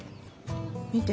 見て。